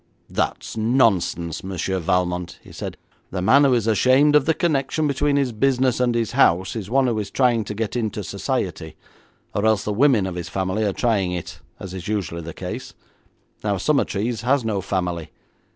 'That is nonsense, Monsieur Valmont,' he said, 'the man who is ashamed of the connection between his business and his house is one who is trying to get into Society, or else the women of his family are trying it, as is usually the case. Now Summertrees has no family.